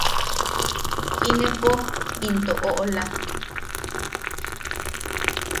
Inepo into oʼola.